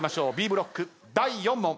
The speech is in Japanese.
Ｂブロック第４問。